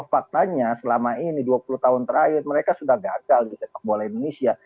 faktanya selama ini dua puluh tahun terakhir mereka sudah gagal di sepak bola indonesia